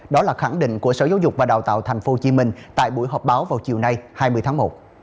đó là khẳng định của sở giáo dục và đào tạo tp hcm tại buổi họp báo vào chiều nay hai mươi tháng một